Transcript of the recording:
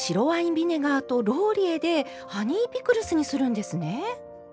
ビネガーとローリエでハニーピクルスにするんですね。